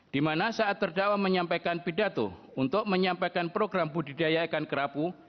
di mana saat terdakwa menyampaikan pidato untuk menyampaikan program budidaya ikan kerapu